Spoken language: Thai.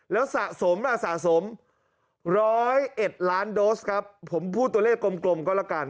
แล้วสะสมสะสม๑๐๑ล้านโดสครับผมพูดตัวเลขกลมก็แล้วกัน